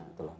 ibu kota aja